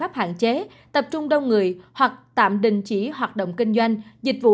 các biện pháp hạn chế tập trung đông người hoặc tạm đình chỉ hoạt động kinh doanh dịch vụ